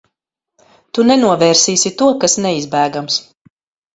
Tu nenovērsīsi to, kas neizbēgams.